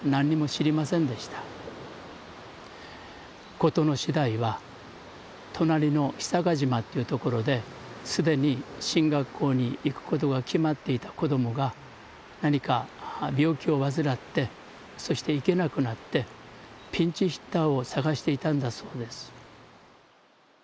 事の次第は隣の久賀島っていう所ですでに神学校に行くことが決まっていた子どもが何か病気を患ってそして行けなくなってピンチヒッターを探していたんだそうです。